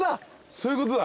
そういうことだ。